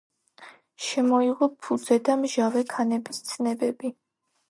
შემოიღო ფუძე და მჟავე ქანების ცნებები.